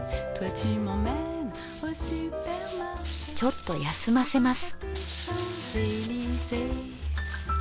ちょっと休ませます。